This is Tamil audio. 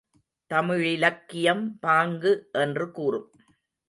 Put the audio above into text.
தமிழிலக்கியம், பாங்கு என்று கூறும்.